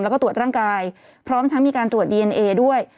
แล้วก็ตรวจร่างกายพร้อมทั้งมีการตรวจดีเอนเอด้วย